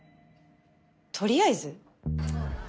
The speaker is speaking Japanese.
とりあえず？